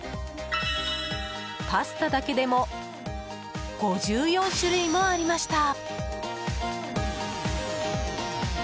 パスタだけでも５４種類もありました。